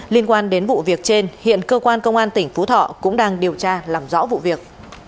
liên quan đến vụ việc trên hiện cơ quan công an tỉnh phú thọ cũng đang điều tra làm rõ vụ việc